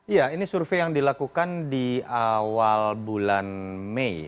iya ini survei yang dilakukan di awal bulan mei